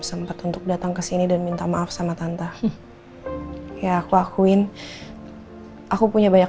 sempat untuk datang ke sini dan minta maaf sama tante ya aku akuin aku punya banyak